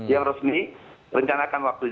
yang resmi rencanakan waktu